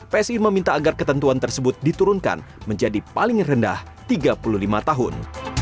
psi meminta agar ketentuan tersebut diturunkan menjadi paling rendah tiga puluh lima tahun